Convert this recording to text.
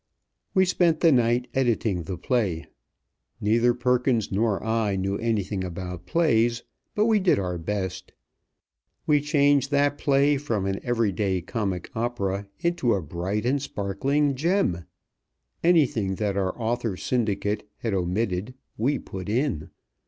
We spent the night editing the play. Neither Perkins nor I knew anything about plays, but we did our best. We changed that play from an every day comic opera into a bright and sparkling gem. Anything that our author syndicate had omitted we put in.